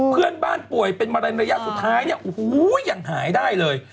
เพื่อนบ้านป่วยเป็นมะเร็ญระญญาติสุดท้ายอย่างหายได้เลย